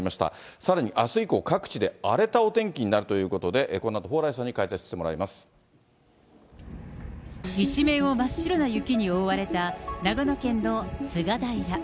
さらにあす以降、各地で荒れたお天気になるということで、このあ一面を真っ白な雪に覆われた長野県の菅平。